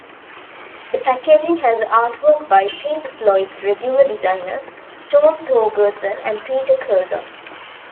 The packaging has artwork by Pink Floyd's regular designer, Storm Thorgerson, and Peter Curzon.